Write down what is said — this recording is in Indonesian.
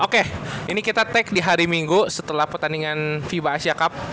oke ini kita take di hari minggu setelah pertandingan fiba asia cup